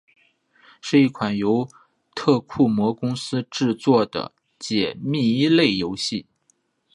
是一款由特库摩公司制作的解谜类游戏。